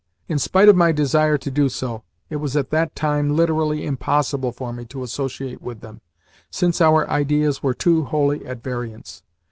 In spite of my desire to do so, it was at that time literally impossible for me to associate with them, since our ideas were too wholly at variance.